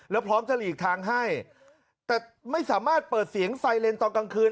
แล้วพร้อมจะหลีกทางให้แต่ไม่สามารถเปิดเสียงไซเลนตอนกลางคืน